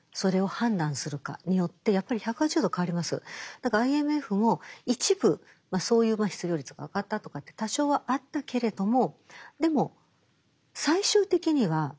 だからＩＭＦも一部そういう失業率が上がったとかって多少はあったけれどもでも最終的には鎮静化しましたよね